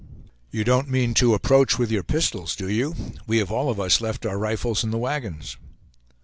"You don't mean to 'approach' with your pistols, do you? We have all of us left our rifles in the wagons."